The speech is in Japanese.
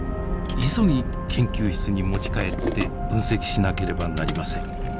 急ぎ研究室に持ち帰って分析しなければなりません。